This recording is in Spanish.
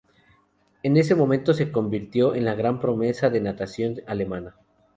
En ese momento se convirtió en la gran promesa de la natación alemana.